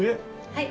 はい。